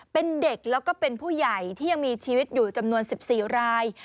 เป็นเด็กแล้วก็เป็นผู้ใหญ่ที่ยังมีชีวิตอยู่จำนวน๑๔ราย